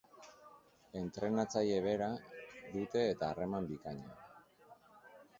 Entrenatzaile bera dute eta harreman bikaina.